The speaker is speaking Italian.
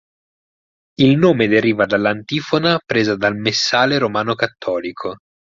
Il nome deriva dall'antifona presa dal Messale romano cattolico.